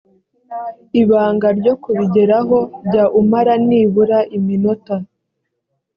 ibanga ryo kubigeraho jya umara nibura iminota